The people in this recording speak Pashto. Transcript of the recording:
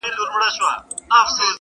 جهاني د هغي شپې وېش دي را پرېښود!